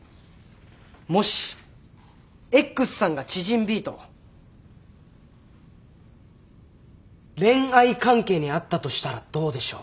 もしＸさんが知人Ｂと恋愛関係にあったとしたらどうでしょう？